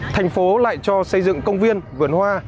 thành phố lại cho xây dựng công viên vườn hoa